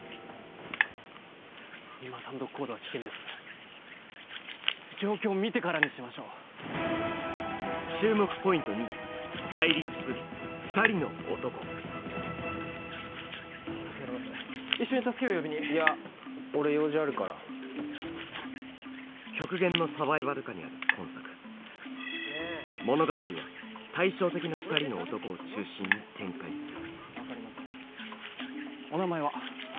今単独行動は危険です状況を見てからにしましょう助かります一緒に助けを呼びにいや俺用事あるから極限のサバイバル下にある今作物語は対照的な２人の男を中心に展開するお名前は？